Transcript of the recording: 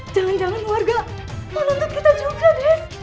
jangan jangan warga menuntut kita juga deh